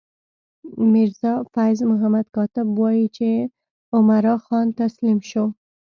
میرزا فیض محمد کاتب وايي چې عمرا خان تسلیم شو.